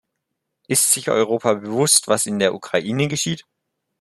Ist sich Europa bewusst, was in der Ukraine geschieht?